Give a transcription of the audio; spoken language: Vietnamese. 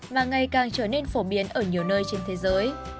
mà ngày càng trở nên phổ biến ở nhiều nơi trên thế giới